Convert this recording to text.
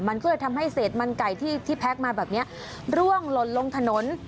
มันก็เลยทำให้เศษมันไก่ที่แพ็คมาแบบนี้ร่วงหล่นลงถนน